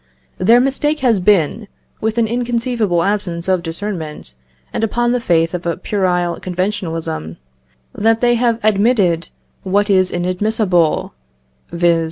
Their mistake has been, with an inconceivable absence of discernment, and upon the faith of a puerile conventionalism, that they have admitted what is inadmissible, viz.